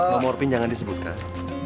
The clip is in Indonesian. nomor pin jangan disebut kak